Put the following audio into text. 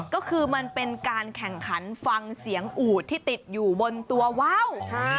ก็คือมันเป็นการแข่งขันฟังเสียงอูดที่ติดอยู่บนตัวว่าว